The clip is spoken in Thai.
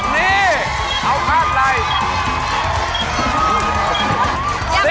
นี่เอาคาดไหล